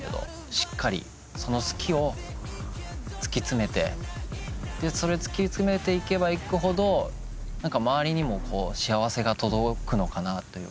しっかりその好きを突き詰めてそれ突き詰めていけばいくほど周りにも幸せが届くのかなというか。